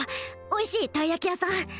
おいしいたい焼き屋さん